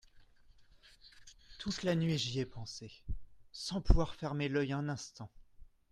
Toute la nuit j’y ai pensé sans pouvoir fermer l’œil un instant.